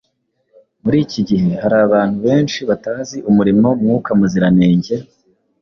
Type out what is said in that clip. Muri iki gihe hari abantu benshi batazi umurimo Mwuka Muziranenge